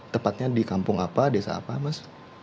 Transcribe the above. tepatnya di kampung apa desa apa mas